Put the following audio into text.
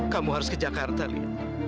kamu harus ke jakarta nih